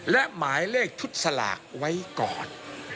และหมายเลขชุดสลากไว้ก่อน